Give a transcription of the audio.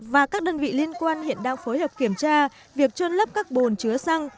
và các đơn vị liên quan hiện đang phối hợp kiểm tra việc trôn lấp các bồn chứa xăng